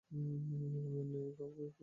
আমি এখানে কাউকে চাই না।